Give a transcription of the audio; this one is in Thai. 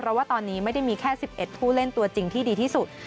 เพราะว่าตอนนี้ไม่ได้มีแค่๑๑ผู้เล่นตัวจริงที่ดีที่สุด